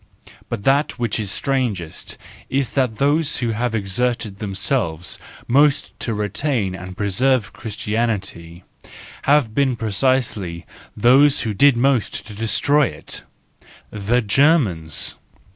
But that which is strangest is that those who have exerted themselves most to retain and preserve Christianity, have been precisely those who did most to destroy it,—the Germans.